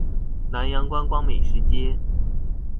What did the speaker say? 南洋觀光美食街